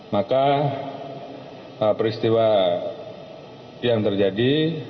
maka peristiwa yang terjadi